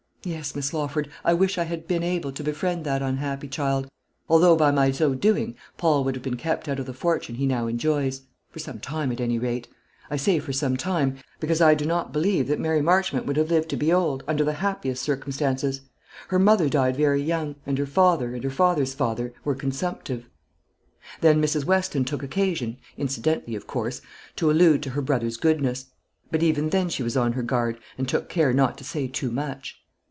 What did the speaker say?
Yes, Miss Lawford; I wish I had been able to befriend that unhappy child, although by my so doing Paul would have been kept out of the fortune he now enjoys for some time, at any rate. I say for some time, because I do not believe that Mary Marchmont would have lived to be old, under the happiest circumstances. Her mother died very young; and her father, and her father's father, were consumptive." Then Mrs. Weston took occasion, incidentally of course, to allude to her brother's goodness; but even then she was on her guard, and took care not to say too much.